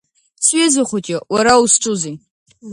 Сҩыза хәҷы, уара узҿузеи?